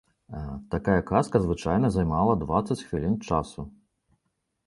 Такая казка звычайна займала дваццаць хвілін часу.